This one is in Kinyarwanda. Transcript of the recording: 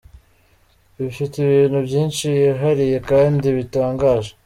Ifite ibintu byinshi yihariye kandi bitangaje.